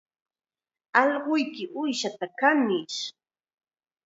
Allquyki uushaata kanish